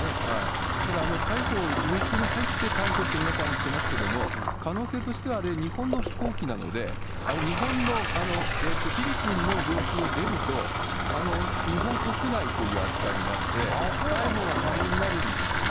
ただ、逮捕、領空に入って逮捕って皆さん言ってますけども、可能性としては、あれ、日本の飛行機なので、あれ日本の、フィリピンの領空を出ると、日本国内という扱いになって、逮捕が可能になるんですよね。